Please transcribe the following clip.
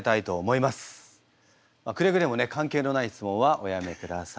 くれぐれもね関係のない質問はおやめください。